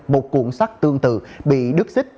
một cuộn xác tương tự bị đứt xích